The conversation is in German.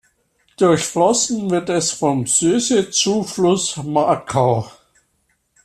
Durchflossen wird es vom Söse-Zufluss Markau.